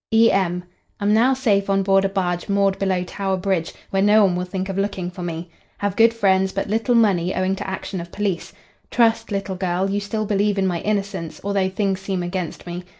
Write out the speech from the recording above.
"'E. M. Am now safe on board a barge moored below Tower Bridge, where no one will think of looking for me. Have good friends but little money, owing to action of police. Trust, little girl, you still believe in my innocence, although things seem against me.